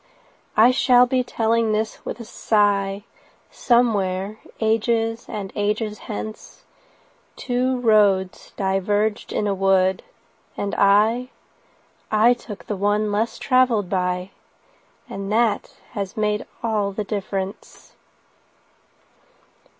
I shall be telling this with a sighSomewhere ages and ages hence:Two roads diverged in a wood, and I—I took the one less traveled by, And that has made all the difference.